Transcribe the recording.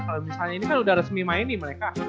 kalau misalnya ini kan udah resmi main nih mereka